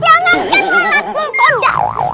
jangan kan larutnya kondak